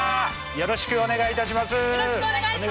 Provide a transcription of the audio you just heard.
よろしくお願いします！